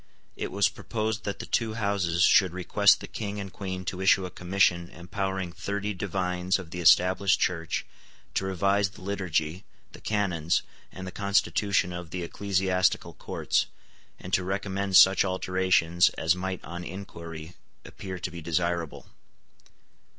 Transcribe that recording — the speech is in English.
It was proposed that the two Houses should request the King and Queen to issue a commission empowering thirty divines of the Established Church to revise the liturgy, the canons, and the constitution of the ecclesiastical courts, and to recommend such alterations as might on inquiry appear to be desirable.